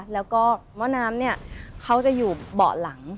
แล้วก็หม้อน้ำเนี่ยเขาจะอยู่เบาะหลัง